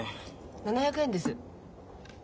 ７００円です。